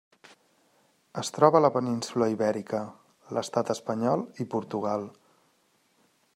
Es troba a la península Ibèrica: l'Estat espanyol i Portugal.